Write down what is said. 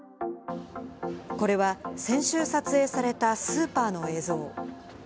これは、先週撮影されたスーパーの映像。